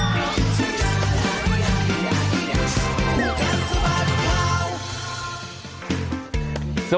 ภูกัดสมัติเวลา